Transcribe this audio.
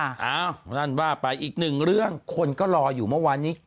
นั่นว่าไปอีกหนึ่งเรื่องคนก็รออยู่เมื่อวานนี้